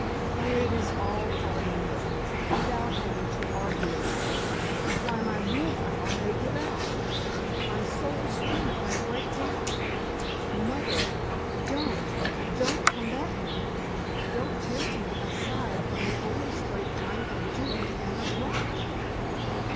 Oh, it is all hard enough, without having to argue about it. Why, my will power may give out! My soul strength may break down! Mother! don't—don't combat me! Don't tempt me aside from the only straight line of duty and of right!"